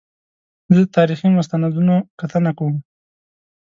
زه د تاریخي مستندونو کتنه کوم.